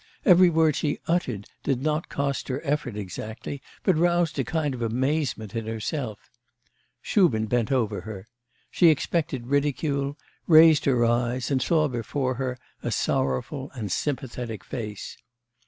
Every word she uttered did not cost her effort exactly, but roused a kind of amazement in herself. Shubin bent over her. She expected ridicule, raised her eyes, and saw before her a sorrowful and sympathetic face....